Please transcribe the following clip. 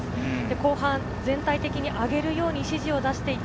後半、全体的に上がるように指示を出した。